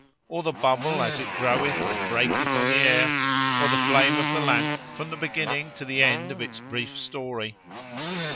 or the bubble, as it groweth or breaketh on the air? or the flame of the lamp, from the beginning to the end of its brief story?